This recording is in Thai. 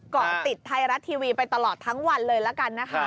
เกาะติดไทยรัฐทีวีไปตลอดทั้งวันเลยละกันนะคะ